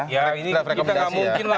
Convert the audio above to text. ya ini kita nggak mungkin lah